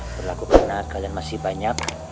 berlaku karena kalian masih banyak